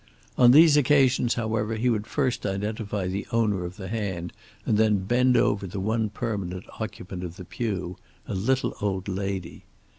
On these occasions, however, he would first identify the owner of the hand and then bend over the one permanent occupant of the pew, a little old lady.